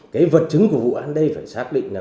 cái vật chứng của vụ án đây phải xác định là